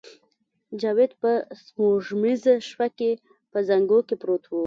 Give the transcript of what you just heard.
جاوید په سپوږمیزه شپه کې په زانګو کې پروت و